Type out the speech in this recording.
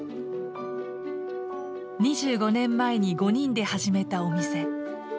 ２５年前に５人で始めたお店。